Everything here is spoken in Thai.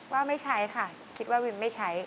ว่าไม่ใช้ค่ะคิดว่าวิมไม่ใช้